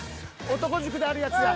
「男塾」であるやつや。